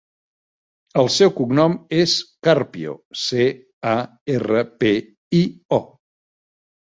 El seu cognom és Carpio: ce, a, erra, pe, i, o.